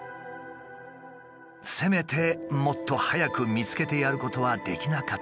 せめてもっと早く見つけてやることはできなかったのか。